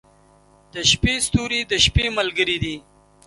• د شپې ستوري د شپې ملګري دي.